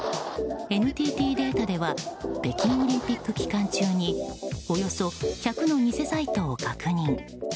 ＮＴＴデータでは北京オリンピック期間中におよそ１００の偽サイトを確認。